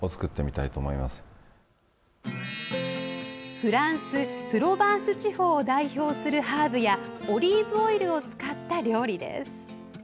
フランスプロバンス地方を代表するハーブやオリーブオイルを使った料理です。